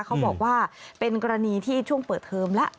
เขาบอกว่าเป็นกรณีที่ช่วงเปิดเทอมแล้ว